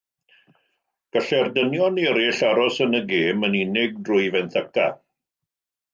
Gallai'r dynion eraill aros yn y gêm yn unig drwy fenthyca.